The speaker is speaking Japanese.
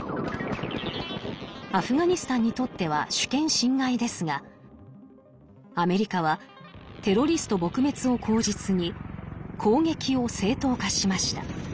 アフガニスタンにとっては主権侵害ですがアメリカは「テロリスト撲滅」を口実に攻撃を正当化しました。